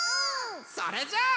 それじゃあ。